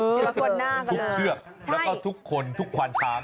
ทุกเชือกแล้วก็ทุกคนทุกควานช้าง